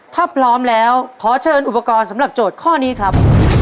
ถ้าพร้อมแล้วขอเชิญอุปกรณ์สำหรับโจทย์ข้อนี้ครับ